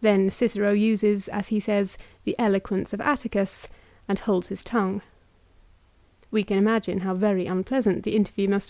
Then Cicero uses, as he says, the eloquence of Atticus, and holds his tongue. 1 We can imagine how very unpleasant the interview must have i Ad At. lib.